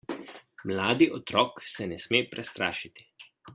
Mladi otrok se ne sme prestrašiti.